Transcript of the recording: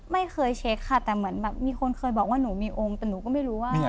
ไม่เคยเช็คค่ะแต่เหมือนแบบมีคนเคยบอกว่าหนูมีองค์แต่หนูก็ไม่รู้ว่า